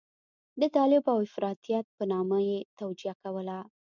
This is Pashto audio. د طالب او افراطيت په نامه یې توجیه کوله.